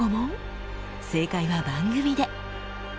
正解は番組で！